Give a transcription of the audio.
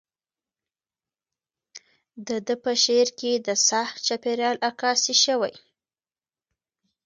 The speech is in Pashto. د ده په شعر کې د ساده چاپیریال عکاسي شوې.